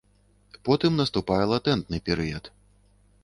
Потым наступае латэнтны перыяд.